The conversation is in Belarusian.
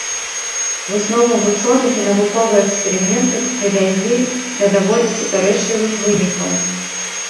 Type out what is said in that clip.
Высновы вучоных і навуковыя эксперыменты прывялі да даволі супярэчлівых вынікаў.